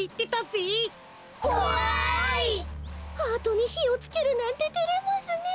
ハートにひをつけるなんててれますねえ。